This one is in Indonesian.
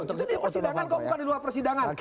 di persidangan kok bukan di luar persidangan